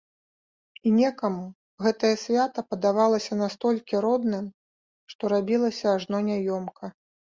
І некаму гэтае свята падавалася настолькі родным, што рабілася ажно няёмка.